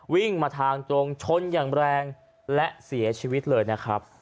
วิ่งมาทางตรงชนอย่างแรงและเสียชีวิตเลยนะครับ